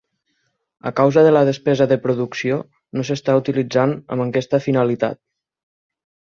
A causa de la despesa de producció, no s'està utilitzant amb aquesta finalitat.